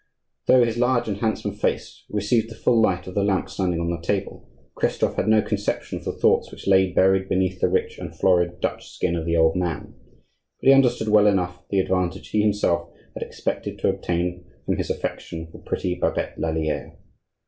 Though his large and handsome face received the full light of the lamp standing on the table, Christophe had no conception of the thoughts which lay buried beneath the rich and florid Dutch skin of the old man; but he understood well enough the advantage he himself had expected to obtain from his affection for pretty Babette Lallier.